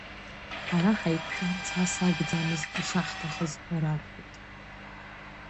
Ҳара ҳаиқәшәарц ас акәӡамызт ишаҳҭахыз, ҳәа рарҳәеит.